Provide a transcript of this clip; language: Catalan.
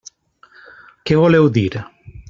Què voleu dir?